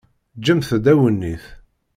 Ǧǧemt-d awennit.